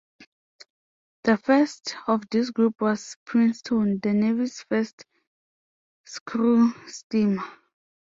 The first of this group was "Princeton", the Navy's first screw steamer.